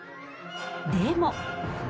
でも！